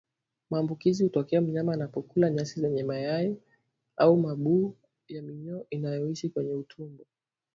Maambukizi hutokea mnyama anapokula nyasi zenye mayai au mabuu ya minyoo inayoishi kwenye utumbo